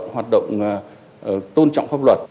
hoạt động tôn trọng pháp luật